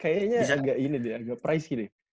kayaknya agak ini deh agak price deh